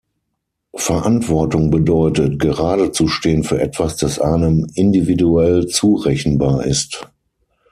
Verantwortung bedeutet, geradezustehen für etwas, das einem individuell zurechenbar ist.